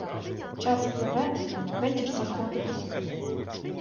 Час пливе, вечір заходить.